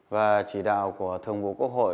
và chỉ đạo của thường vụ quốc hội